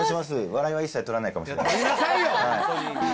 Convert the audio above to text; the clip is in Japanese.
笑いは一切取らないかもしれない。